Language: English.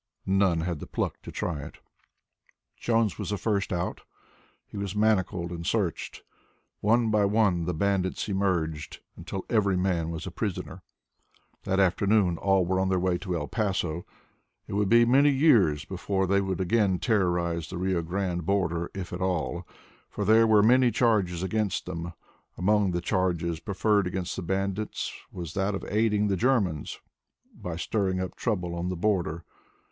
None had the pluck to try it. Jones was the first one out. He was manacled and searched. One by one the bandits emerged until every man was a prisoner. That afternoon all were on their way to El Paso. It would be many years before they would again terrorize the Rio Grande border if at all, for there were many charges against them. Among the charges preferred against the bandits was that of aiding the Germans by stirring up trouble on the border.